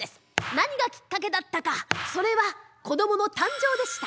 何がきっかけだったかそれはこどもの誕生でした。